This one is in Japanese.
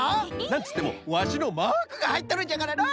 なんつってもワシのマークがはいっとるんじゃからな。